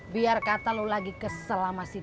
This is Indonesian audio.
biar kata lu lagi kesel sama si tisna